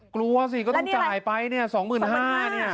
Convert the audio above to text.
กลัวสิก็ต้องจ่ายไปเนี่ย๒๕๐๐บาทเนี่ย